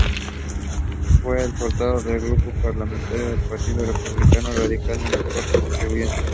Fue el portavoz del grupo parlamentario del Partido Republicano Radical en las Cortes Constituyentes.